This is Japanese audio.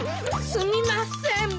すみません。